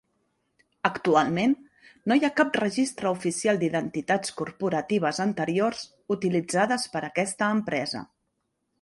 Actualment, no hi ha cap registre oficial d'identitats corporatives anteriors utilitzades per aquesta empresa.